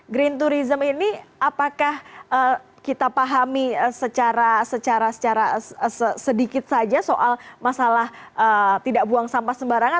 green tourism ini apakah kita pahami secara sedikit saja soal masalah tidak buang sampah sembarangan